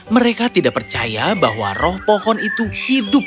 mereka tidak percaya bahwa roh pohon itu hidup